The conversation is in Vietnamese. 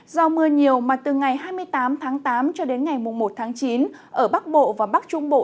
do mưa nhiều mà từ ngày hai mươi tám tháng tám cho đến ngày một tháng chín ở bắc bộ và bắc trung bộ